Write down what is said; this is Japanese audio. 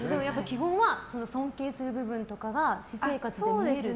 基本は尊敬する部分とかが私生活とかで見える。